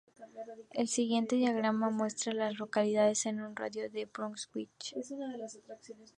El siguiente diagrama muestra a las localidades en un radio de de Brunswick.